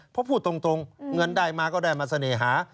เพราะพูดตรงเงินได้มาก็ได้มาเสน่หา